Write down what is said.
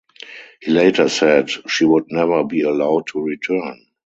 He later said she would never be allowed to return.